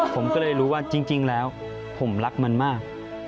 ผมก็เลยรู้ว่าจริงแล้วผมรักมันมาก